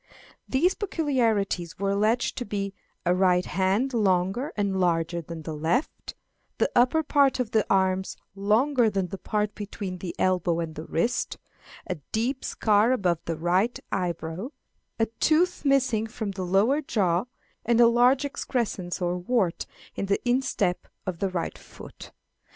These peculiarities were alleged to be "a right hand longer and larger than the left; the upper part of the arms longer than the part between the elbow and the wrist; a deep scar above the right eyebrow; a tooth missing from the lower jaw, and a large excrescence or wart on the instep of the right foot."